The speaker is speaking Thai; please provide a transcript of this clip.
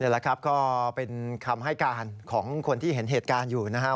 แหละครับก็เป็นคำให้การของคนที่เห็นเหตุการณ์อยู่นะครับ